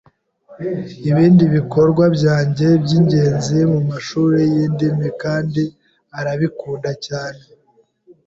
Ibindi bikorwa byanjye byingenzi mumashuri yindimi kandi arabikunda cyane.